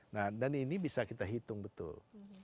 nah dan ini bisa kita hitung betul